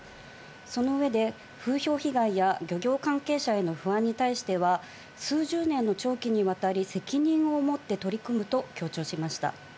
その上で、風評被害や漁業関係者への不安に対しては、数十年の長期にわたり責任を持って取り組むと強調しました。